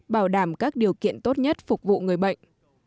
bảo đảm các điều kiện tốt nhất phục vụ người bệnh